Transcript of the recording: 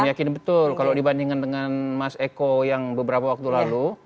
meyakini betul kalau dibandingkan dengan mas eko yang beberapa waktu lalu